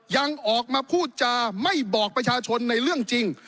ยังออกมาพูดจาไม่บอกประชาชนในเรื่องจริง